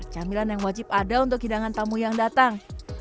camilan yang wajib ada untuk hidangan tamu yang datang